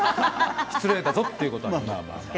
失礼だぞということで。